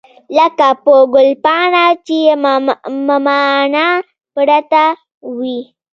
لکه په ګلپاڼه چې مماڼه پرته وي.